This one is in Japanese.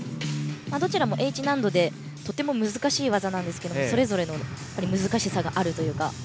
どちらもＨ難度でとても難しい技なんですけどそれぞれの難しさがあるというか。